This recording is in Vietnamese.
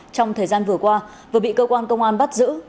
trong thời gian vừa qua vừa bị cơ quan công an bắt giữ